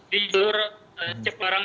di jalur cipularang